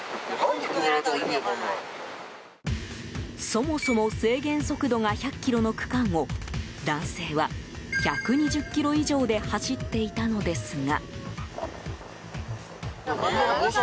そもそも制限速度が１００キロの区間を男性は１２０キロ以上で走っていたのですが。